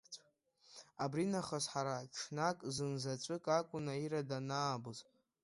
Абри нахыс ҳара ҽнак зынзаҵәык акәын Наира данаабоз.